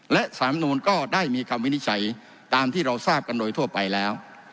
และสารมนูลก็ได้มีคำวินิจฉัยตามที่เราทราบกันโดยทั่วไปแล้ว